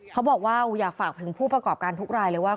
เขาบอกว่าอยากฝากถึงผู้ประกอบการทุกรายเลยว่า